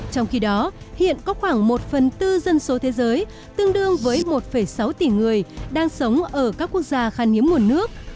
trong khi đó hiện có khoảng một phần tư dân số thế giới tương đương với một sáu tỷ người đang sống ở các quốc gia khan hiếm nguồn nước